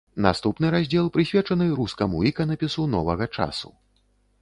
Наступны раздзел прысвечаны рускаму іканапісу новага часу.